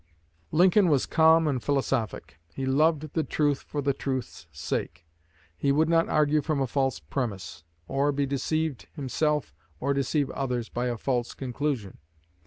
Lincoln was calm and philosophic. He loved the truth for the truth's sake. He would not argue from a false premise, or be deceived himself or deceive others by a false conclusion.